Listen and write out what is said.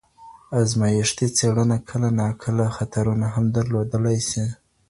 ازمایښتي څېړنه کله ناکله خطرونه هم درلودلای سي.